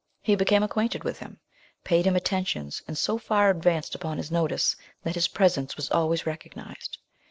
He became acquainted with him, paid him attentions, and so far advanced upon his notice, that his presence was always recognised.